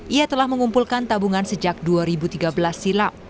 ia telah mengumpulkan tabungan sejak dua ribu tiga belas silam